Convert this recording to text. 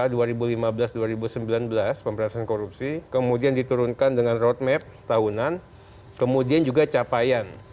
grand design nya kpk dua ribu lima belas dua ribu sembilan belas pemberantasan korupsi kemudian diturunkan dengan road map tahunan kemudian juga capaian